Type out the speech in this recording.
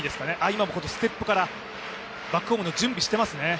今もステップからバックホームの準備してますね。